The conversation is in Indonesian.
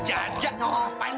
nggak gue dulu glenn